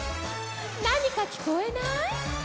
なにかきこえない？」